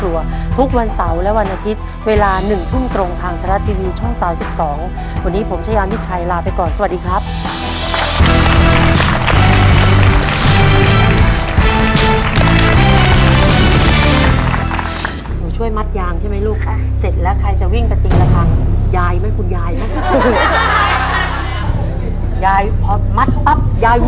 วันนี้ผมชายามิชชัยลาไปก่อนสวัสดีครับ